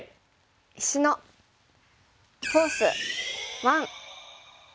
「石のフォース１」。